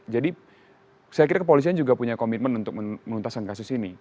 jadi saya kira kepolisian juga punya komitmen untuk menuntaskan kasus ini